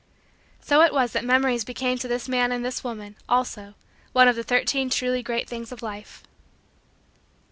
So it was that Memories became to this man and this woman, also, one of the Thirteen Truly Great Things of Life.